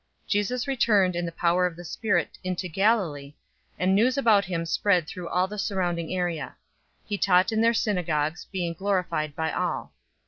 004:014 Jesus returned in the power of the Spirit into Galilee, and news about him spread through all the surrounding area. 004:015 He taught in their synagogues, being glorified by all.